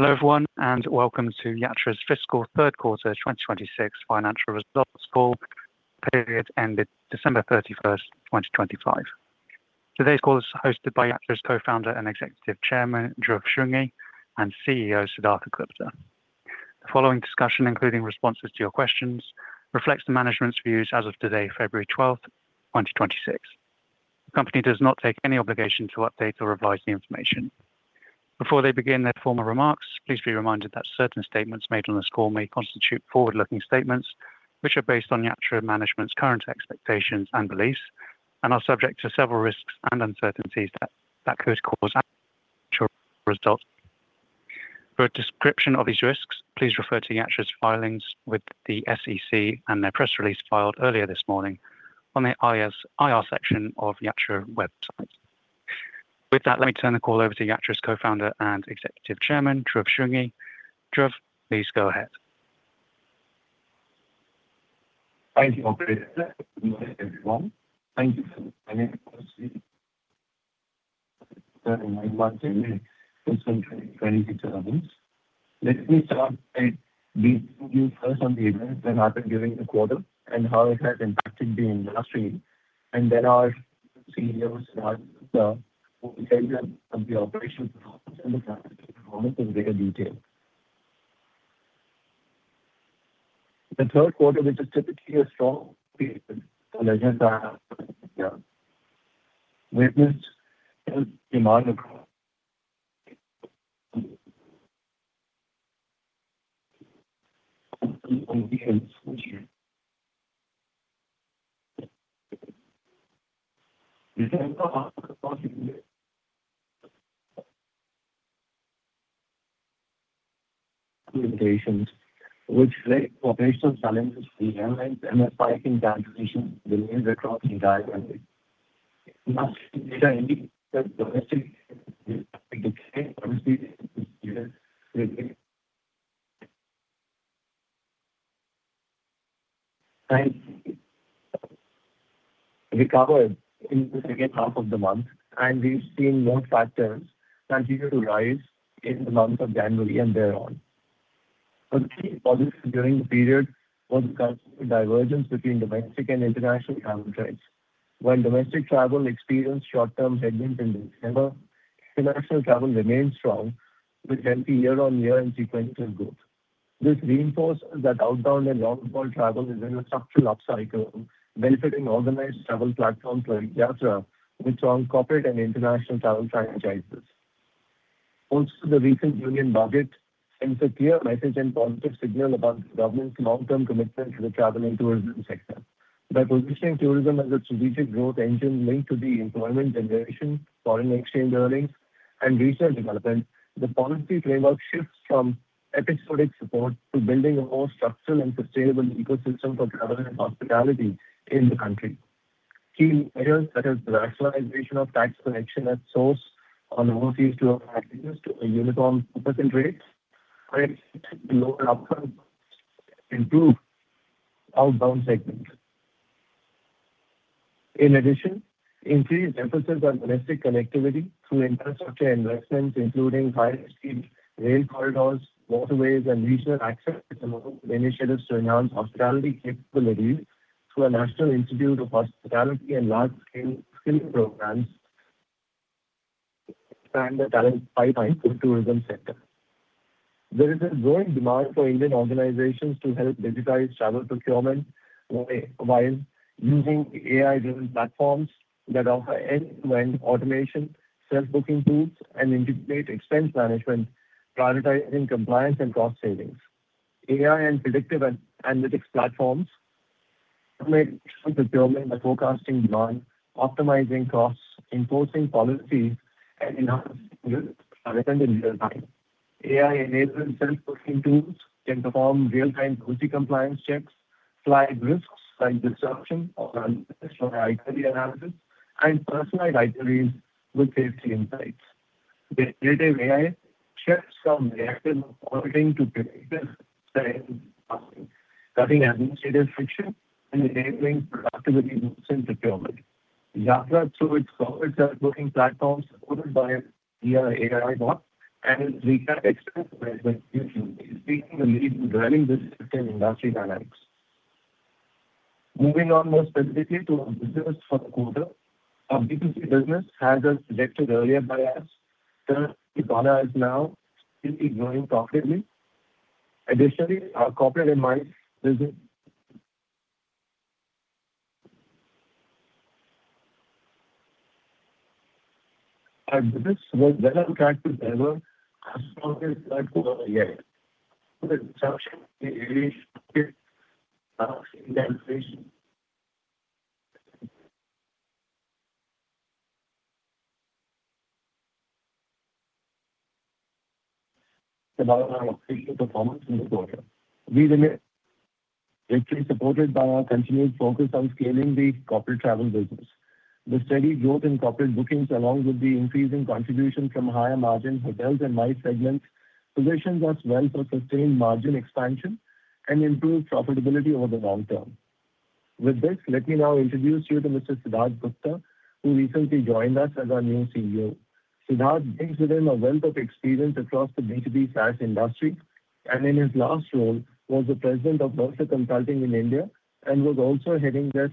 Hello, everyone, and welcome to Yatra's Fiscal Third Quarter 2026 Financial Results Call, period ended December 31, 2025. Today's call is hosted by Yatra's co-founder and executive chairman, Dhruv Shringi, and CEO, Siddhartha Gupta. The following discussion, including responses to your questions, reflects the management's views as of today, February 12, 2026. The company does not take any obligation to update or revise the information. Before they begin their formal remarks, please be reminded that certain statements made on this call may constitute forward-looking statements, which are based on Yatra management's current expectations and beliefs and are subject to several risks and uncertainties that could cause actual results. For a description of these risks, please refer to Yatra's filings with the SEC and their press release filed earlier this morning on the IR section of Yatra website. With that, let me turn the call over to Yatra's Co-Founder and Executive Chairman, Dhruv Shringi. Dhruv, please go ahead. Thank you, Operator. Good morning, everyone. Thank you for joining us... 2026 events. Let me start by briefing you first on the events that happened during the quarter and how it has impacted the industry, and then our CEO, Siddhartha Gupta, will tell you of the operational performance in greater detail. The third quarter, which is typically a strong period for leisure travel in India, witnessed healthy demand across... which led to operational challenges for the airlines and a spike in cancellations within the cancelling cycle. Much data indicates that domestic... and recovered in the second half of the month, and we've seen those patterns continue to rise in the month of January and thereon. But the key point during the period was the divergence between domestic and international travel trends. While domestic travel experienced short-term headwinds in December, international travel remained strong, with healthy year-on-year and sequential growth. This reinforces that outbound and long-haul travel is in a structural upcycle, benefiting organized travel platforms like Yatra, with strong corporate and international travel franchises. Also, the recent Union Budget sends a clear message and positive signal about the government's long-term commitment to the travel and tourism sector. By positioning tourism as a strategic growth engine linked to the employment generation, foreign exchange earnings, and regional development, the policy framework shifts from episodic support to building a more structural and sustainable ecosystem for travel and hospitality in the country. Key areas, such as the rationalization of tax collection at source on overseas tour packages to a uniform 2% rate, lower upfront improve outbound segments. In addition, increased emphasis on domestic connectivity through infrastructure investments, including high-speed rail corridors, waterways, and regional access, among initiatives to enhance hospitality capabilities through a National Institute of Hospitality and large-scale skilling programs to expand the talent pipeline for the tourism sector. There is a growing demand for Indian organizations to help digitize travel procurement while using AI-driven platforms that offer end-to-end automation, self-booking tools, and integrated expense management, prioritizing compliance and cost savings. AI and predictive analytics platforms make travel procurement by forecasting demand, optimizing costs, enforcing policies, and enhancing risks are done in real time. AI-enabled self-booking tools can perform real-time policy compliance checks, flag risks like disruption or analysis for itinerary analysis, and personalize itineraries with safety insights. The generative AI shifts from reactive auditing to predictive... cutting administrative friction and enabling productivity boosts in procurement. Yatra, through its self-booking platform, supported by AI bot and richer expense management solution, is taking the lead in driving this shift in industry dynamics. Moving on more specifically to our business for the quarter. Our B2C business, as was projected earlier by us, the category is now still growing profitably. Additionally, our corporate and MICE business... Our business was well on track to deliver our strongest third quarter yet. With exception to the recent inflation. About our operational performance in this quarter. We remain richly supported by our continued focus on scaling the corporate travel business. The steady growth in corporate bookings, along with the increasing contribution from higher-margin hotels and MICE segments, positions us well for sustained margin expansion and improved profitability over the long term.... With this, let me now introduce you to Mr. Siddhartha Gupta, who recently joined us as our new CEO. Siddhartha brings with him a wealth of experience across the B2B SaaS industry, and in his last role was the President of Mercer Consulting in India and was also heading their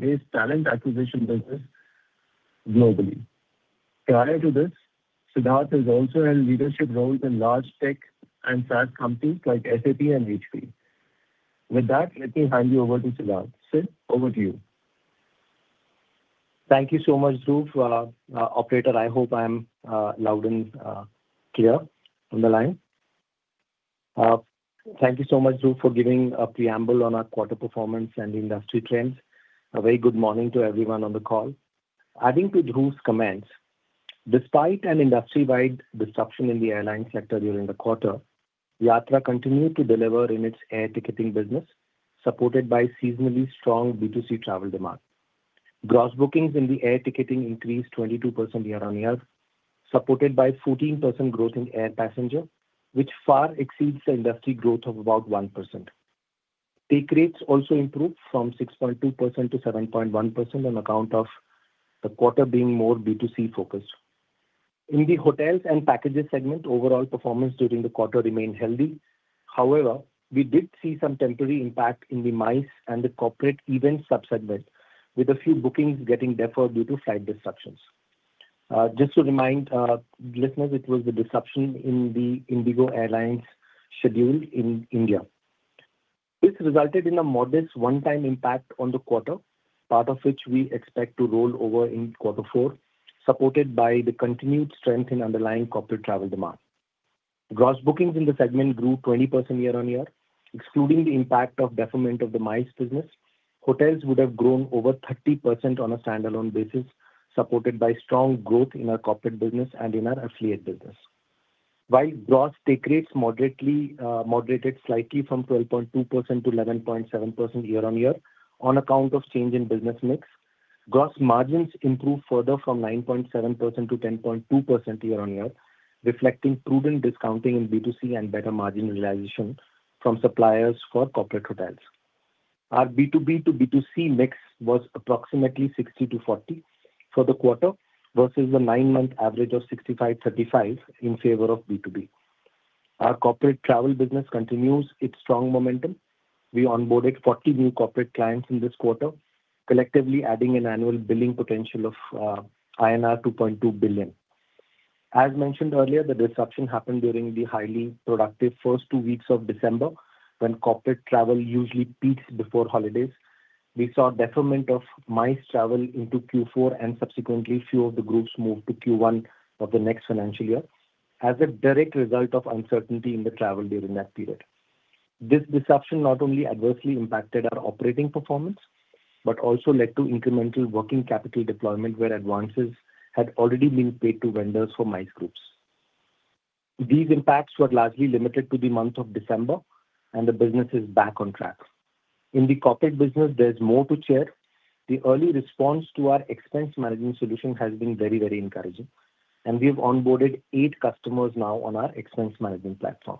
SaaS-based talent acquisition business globally. Prior to this, Siddhartha has also held leadership roles in large tech and SaaS companies like SAP and HP. With that, let me hand you over to Siddhartha. Sid, over to you. Thank you so much, Dhruv. Operator, I hope I am loud and clear on the line. Thank you so much, Dhruv, for giving a preamble on our quarter performance and industry trends. A very good morning to everyone on the call. Adding to Dhruv's comments, despite an industry-wide disruption in the airline sector during the quarter, Yatra continued to deliver in its Air Ticketing business, supported by seasonally strong B2C travel demand. Gross bookings in the Air Ticketing increased 22% year-on-year, supported by 14% growth in air passenger, which far exceeds the industry growth of about 1%. Take rates also improved from 6.2%-7.1% on account of the quarter being more B2C-focused. In the Hotels and Packages segment, overall performance during the quarter remained healthy. However, we did see some temporary impact in the MICE and the corporate event sub-segment, with a few bookings getting deferred due to flight disruptions. Just to remind, listeners, it was the disruption in the IndiGo Airlines schedule in India. This resulted in a modest one-time impact on the quarter, part of which we expect to roll over in quarter four, supported by the continued strength in underlying corporate travel demand. Gross bookings in the segment grew 20% year-on-year, excluding the impact of deferment of the MICE business. Hotels would have grown over 30% on a standalone basis, supported by strong growth in our corporate business and in our affiliate business. While gross take rates moderately moderated slightly from 12.2% to 11.7% year-on-year on account of change in business mix, gross margins improved further from 9.7% to 10.2% year-on-year, reflecting prudent discounting in B2C and better margin realization from suppliers for corporate hotels. Our B2B to B2C mix was approximately 60/40 for the quarter, versus the nine-month average of 65/35 in favor of B2B. Our corporate travel business continues its strong momentum. We onboarded 40 new corporate clients in this quarter, collectively adding an annual billing potential of INR 2.2 billion. As mentioned earlier, the disruption happened during the highly productive first two weeks of December, when corporate travel usually peaks before holidays. We saw deferment of MICE travel into Q4, and subsequently, few of the groups moved to Q1 of the next financial year as a direct result of uncertainty in the travel during that period. This disruption not only adversely impacted our operating performance, but also led to incremental working capital deployment, where advances had already been paid to vendors for MICE groups. These impacts were largely limited to the month of December, and the business is back on track. In the corporate business, there's more to share. The early response to our expense management solution has been very, very encouraging, and we've onboarded eight customers now on our expense management platform.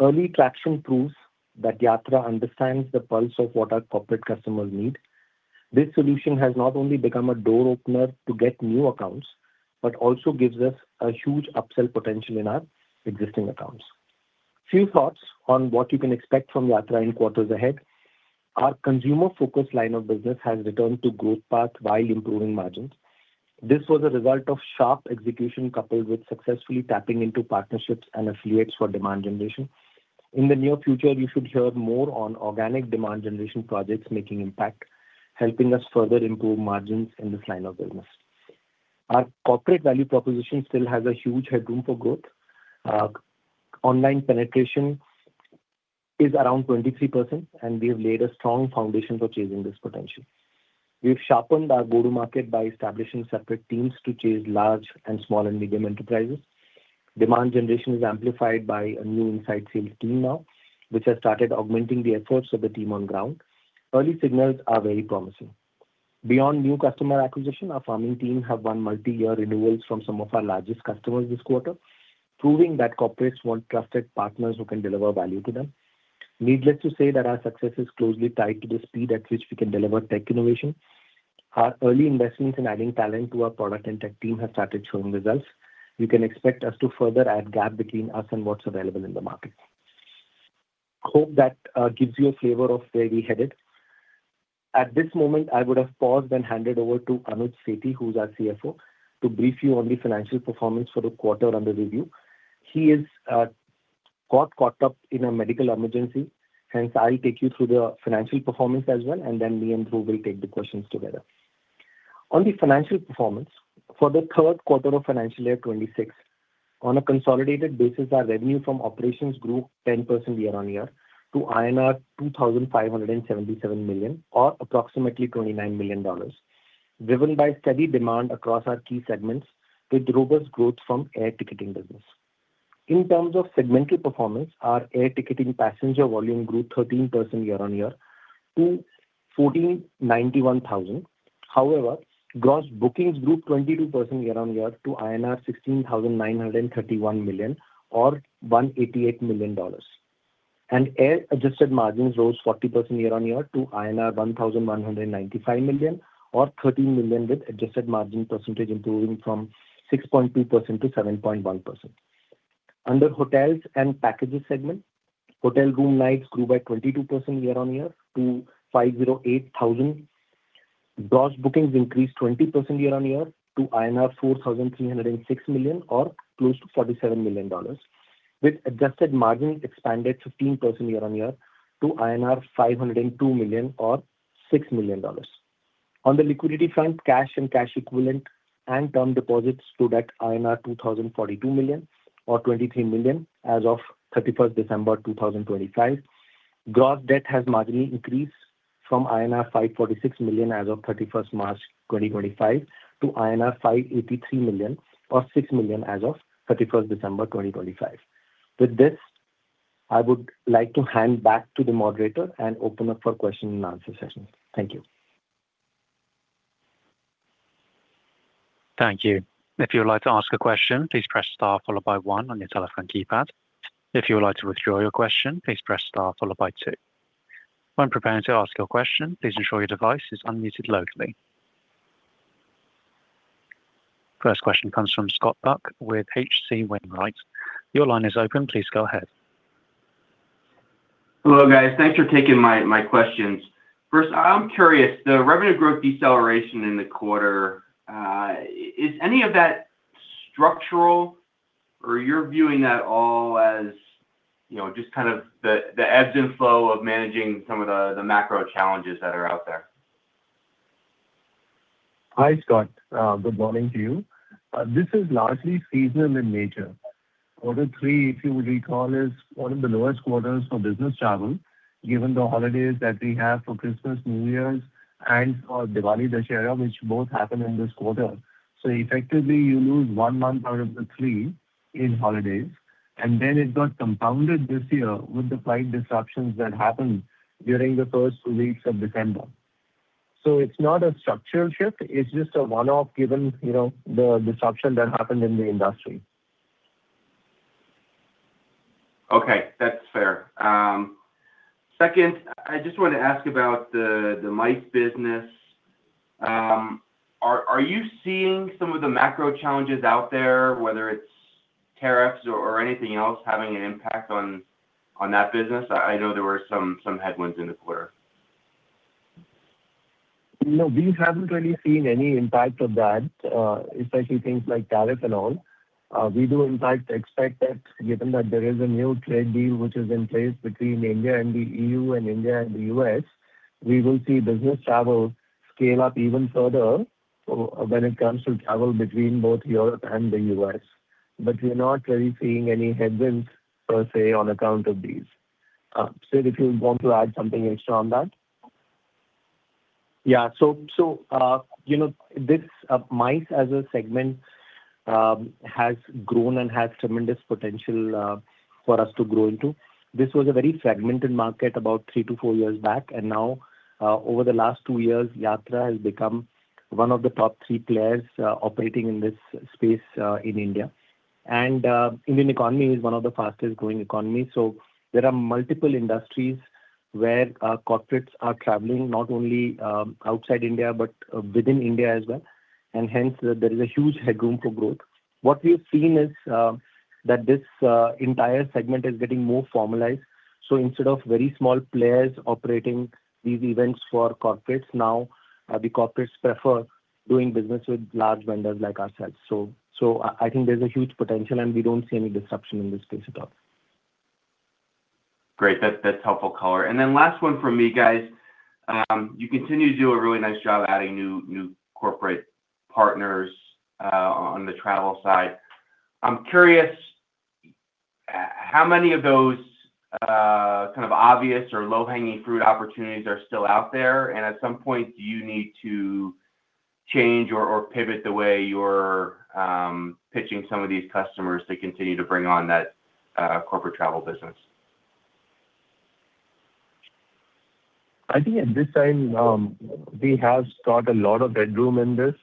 Early traction proves that Yatra understands the pulse of what our corporate customers need. This solution has not only become a door opener to get new accounts, but also gives us a huge upsell potential in our existing accounts. Few thoughts on what you can expect from Yatra in quarters ahead. Our consumer-focused line of business has returned to growth path while improving margins. This was a result of sharp execution, coupled with successfully tapping into partnerships and affiliates for demand generation. In the near future, you should hear more on organic demand generation projects making impact, helping us further improve margins in this line of business. Our corporate value proposition still has a huge headroom for growth. Online penetration is around 23%, and we have laid a strong foundation for chasing this potential. We've sharpened our go-to-market by establishing separate teams to chase large and small and medium enterprises. Demand generation is amplified by a new inside sales team now, which has started augmenting the efforts of the team on ground. Early signals are very promising. Beyond new customer acquisition, our farming team have won multi-year renewals from some of our largest customers this quarter, proving that corporates want trusted partners who can deliver value to them. Needless to say, that our success is closely tied to the speed at which we can deliver tech innovation. Our early investments in adding talent to our product and tech team have started showing results. You can expect us to further add gap between us and what's available in the market. Hope that gives you a flavor of where we're headed. At this moment, I would have paused and handed over to Anuj Sethi, who's our CFO, to brief you on the financial performance for the quarter under review. He is got caught up in a medical emergency, hence I'll take you through the financial performance as well, and then me and Dhruv will take the questions together. On the financial performance, for the third quarter of financial year 2026, on a consolidated basis, our revenue from operations grew 10% year-on-year to INR 2,577 million, or approximately $29 million, driven by steady demand across our key segments, with robust growth from air ticketing business. In terms of segmental performance, our air ticketing passenger volume grew 13% year-on-year to 1,491 thousand.... However, gross bookings grew 22% year-on-year to INR 16,931 million, or $188 million. Air adjusted margins rose 40% year-on-year to INR 1,195 million, or $13 million, with adjusted margin percentage improving from 6.2% to 7.1%. Under hotels and packages segment, hotel room nights grew by 22% year-on-year to 508,000. Gross bookings increased 20% year-on-year to INR 4,306 million or close to $47 million, with adjusted margin expanded 15% year-on-year to INR 502 million or $6 million. On the liquidity front, cash and cash equivalent and term deposits stood at INR 2,042 million or $23 million as of December 31, 2025. Gross debt has marginally increased from INR 546 million as of March 31, 2025, to INR 583 million or $6 million as of December 31, 2025. With this, I would like to hand back to the moderator and open up for question and answer session. Thank you. Thank you. If you would like to ask a question, please press star followed by one on your telephone keypad. If you would like to withdraw your question, please press star followed by two. When preparing to ask your question, please ensure your device is unmuted locally. First question comes from Scott Buck with H.C. Wainwright. Your line is open. Please go ahead. Hello, guys. Thanks for taking my questions. First, I'm curious, the revenue growth deceleration in the quarter is any of that structural or you're viewing that all as, you know, just kind of the ebbs and flow of managing some of the macro challenges that are out there? Hi, Scott. Good morning to you. This is largely seasonal in nature. Quarter three, if you recall, is one of the lowest quarters for business travel, given the holidays that we have for Christmas, New Year's, and Diwali Dussehra, which both happen in this quarter. So effectively, you lose one month out of the three in holidays, and then it got compounded this year with the flight disruptions that happened during the first two weeks of December. So it's not a structural shift, it's just a one-off, given, you know, the disruption that happened in the industry. Okay, that's fair. Second, I just want to ask about the MICE business. Are you seeing some of the macro challenges out there, whether it's tariffs or anything else, having an impact on that business? I know there were some headwinds in the quarter. No, we haven't really seen any impact of that, especially things like tariff and all. We do in fact expect that given that there is a new trade deal which is in place between India and the EU and India and the US, we will see business travel scale up even further when it comes to travel between both Europe and the US. But we're not really seeing any headwinds per se, on account of these. Sid, if you want to add something extra on that? Yeah. So, you know, this MICE as a segment has grown and has tremendous potential for us to grow into. This was a very fragmented market about three-four years back, and now, over the last two years, Yatra has become one of the top three players operating in this space in India. And Indian economy is one of the fastest growing economies, so there are multiple industries where corporates are traveling, not only outside India but within India as well, and hence there is a huge headroom for growth. What we've seen is that this entire segment is getting more formalized. So instead of very small players operating these events for corporates, now the corporates prefer doing business with large vendors like ourselves. So, I think there's a huge potential, and we don't see any disruption in this space at all. Great. That's, that's helpful color. And then last one from me, guys. You continue to do a really nice job adding new, new corporate partners on the travel side. I'm curious how many of those kind of obvious or low-hanging fruit opportunities are still out there? And at some point, do you need to change or pivot the way you're pitching some of these customers to continue to bring on that corporate travel business? I think at this time, we have got a lot of headroom in this.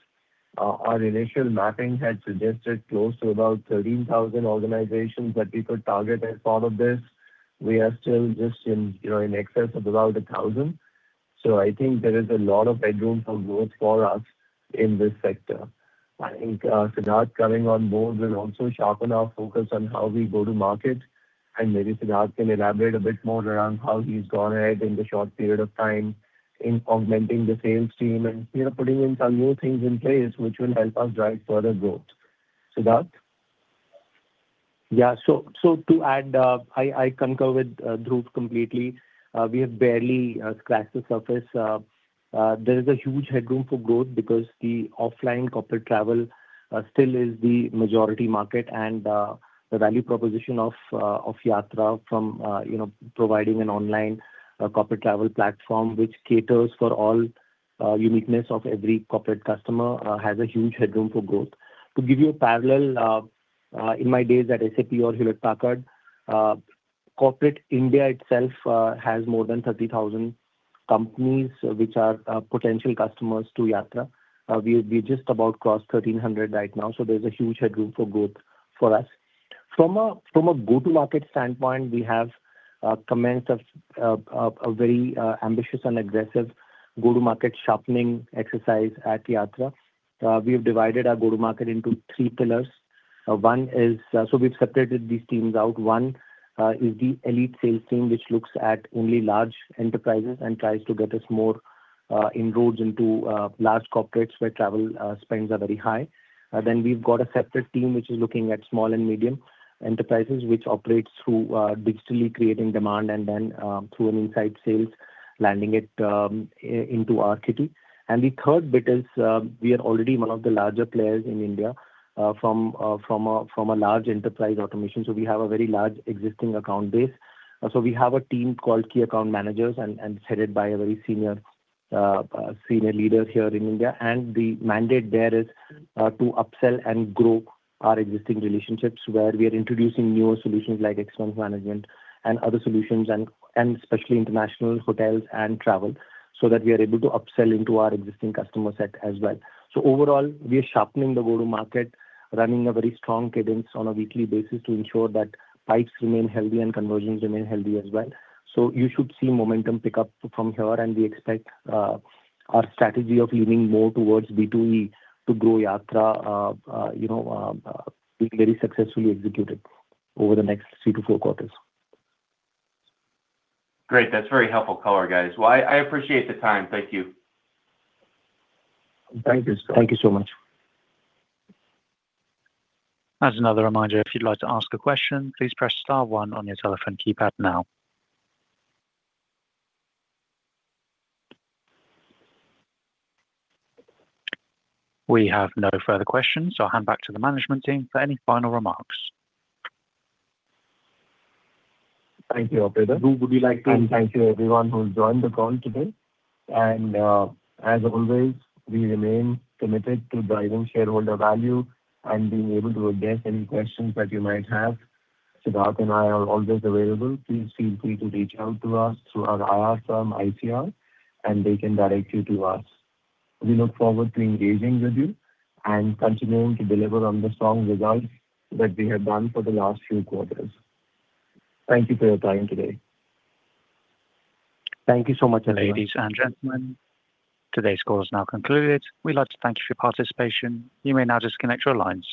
Our initial mapping had suggested close to about 13,000 organizations that we could target as part of this. We are still just in, you know, in excess of about 1,000. So I think there is a lot of headroom for growth for us in this sector. I think, Siddhartha coming on board will also sharpen our focus on how we go to market, and maybe Siddhartha can elaborate a bit more around how he's gone ahead in the short period of time in augmenting the sales team and, you know, putting in some new things in place which will help us drive further growth. Siddhartha? Yeah. So, to add, I concur with Dhruv completely. We have barely scratched the surface. There is a huge headroom for growth because the offline corporate travel still is the majority market and the value proposition of Yatra from, you know, providing an online corporate travel platform which caters for all uniqueness of every corporate customer has a huge headroom for growth. To give you a parallel, in my days at SAP or Hewlett-Packard, corporate India itself has more than 30,000 companies which are potential customers to Yatra. We just about crossed 1,300 right now, so there's a huge headroom for growth for us. From a go-to-market standpoint, we have commenced a very ambitious and aggressive go-to-market sharpening exercise at Yatra. We have divided our go-to-market into three pillars. One is, so we've separated these teams out. One is the elite sales team, which looks at only large enterprises and tries to get us more inroads into large corporates where travel spends are very high. Then we've got a separate team which is looking at small and medium enterprises which operates through digitally creating demand and then through an inside sales, landing it into our kitty. And the third bit is, we are already one of the larger players in India from a large enterprise automation. So we have a very large existing account base. So we have a team called Key Account Managers, and it's headed by a very senior leader here in India. The mandate there is to upsell and grow our existing relationships, where we are introducing newer solutions like expense management and other solutions and especially international hotels and travel, so that we are able to upsell into our existing customer set as well. So overall, we are sharpening the go-to-market, running a very strong cadence on a weekly basis to ensure that pipes remain healthy and conversions remain healthy as well. So you should see momentum pick up from here, and we expect our strategy of leaning more towards B2E to grow Yatra, you know, being very successfully executed over the next three-four quarters. Great! That's very helpful color, guys. Well, I appreciate the time. Thank you. Thank you. Thank you so much. As another reminder, if you'd like to ask a question, please press star one on your telephone keypad now. We have no further questions, so I'll hand back to the management team for any final remarks. Thank you, operator. Who would you like to- Thank you everyone who joined the call today, and, as always, we remain committed to driving shareholder value and being able to address any questions that you might have. Siddhartha and I are always available. Please feel free to reach out to us through our IR firm, ICR, and they can direct you to us. We look forward to engaging with you and continuing to deliver on the strong results that we have done for the last few quarters. Thank you for your time today. Thank you so much, everyone. Ladies and gentlemen, today's call is now concluded. We'd like to thank you for your participation. You may now disconnect your lines.